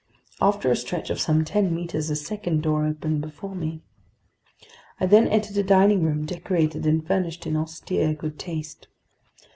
After a stretch of some ten meters, a second door opened before me. I then entered a dining room, decorated and furnished in austere good taste.